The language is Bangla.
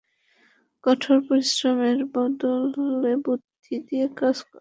কঠোর পরিশ্রমের বদলে বুদ্ধি দিয়ে কাজ করো।